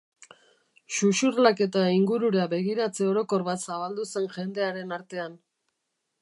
Xuxurlak eta ingurura begiratze orokor bat zabaldu zen jendearen artean.